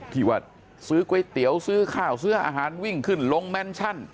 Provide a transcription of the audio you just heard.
ที่ว่าซื้อก๋วยเตี๋ยวซื้อข้าวซื้ออาหารวิ่งขึ้นลงแมนชั่น